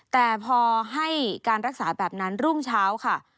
แต่พอให้การรักษาแบบนั้นรุ่งเช้าค่ะ